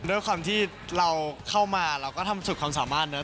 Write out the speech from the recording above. ด้วยความที่เราเข้ามาเราก็ทำสุดความสามารถเนอ